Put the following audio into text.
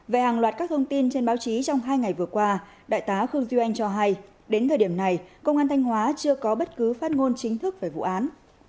về hàng loạt các thông tin trên báo chí trong hai ngày vừa qua đại tá khương duy anh cho hay đến thời điểm này công an thanh hóa chưa có bất cứ phát ngôn chính thức về vụ án